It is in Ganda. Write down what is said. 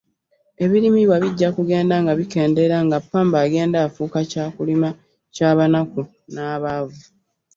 Ebirimibwa bijja kugenda nga bikendeera nga Pamba agenda afuuka kya kulima ky'abanaku n'abaavu.